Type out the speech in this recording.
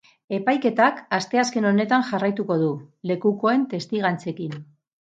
Epaiketak asteazken honetan jarraituko du, lekukoen testigantzekin.